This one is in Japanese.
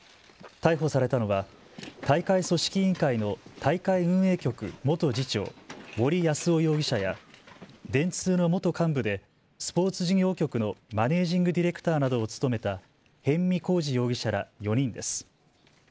逮捕されたのは大会組織委員会の大会運営局元次長、森泰夫容疑者や電通の元幹部でスポーツ事業局のマネージング・ディレクターなどを務めた逸見晃治容疑者ら４人です。